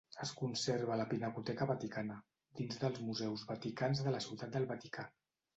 Es conserva a la Pinacoteca Vaticana, dins dels Museus Vaticans de la Ciutat del Vaticà.